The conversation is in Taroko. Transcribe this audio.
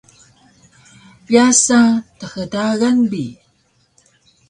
yasa thdagan bi